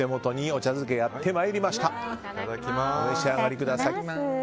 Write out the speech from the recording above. お召し上がりください。